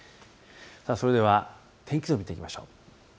それでは天気図を見ていきましょう。